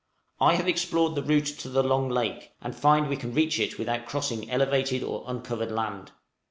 I have explored the route to the long lake, and find we can reach it without crossing elevated or uncovered land.